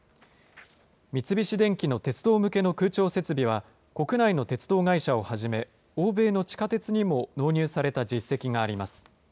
三菱電機の鉄道向けの空調設備は、国内の鉄道会社をはじめ、欧米の地下鉄にも納入された実績があります。